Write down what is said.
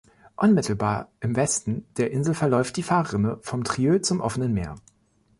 Unmittelbar im Westen der Insel verläuft die Fahrrinne vom Trieux zum offenen Meer.